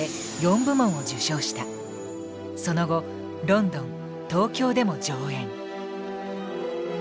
その後ロンドン東京でも上演。